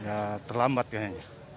ya terlambat kayaknya